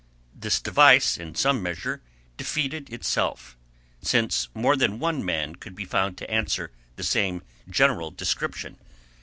This device in some measure defeated itself—since more than one man could be found to answer the same general description.